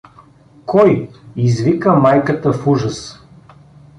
— Кой? — извика майката в ужас.